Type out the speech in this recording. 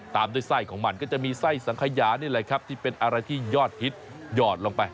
ตามด้วยไส้ของมันก็จะมีไส้สังขยานี่แหละครับที่เป็นอะไรที่ยอดฮิตหยอดลงไป